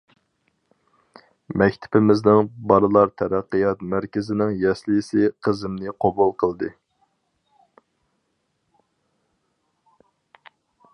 مەكتىپىمىزنىڭ بالىلار تەرەققىيات مەركىزىنىڭ يەسلىسى قىزىمنى قوبۇل قىلدى.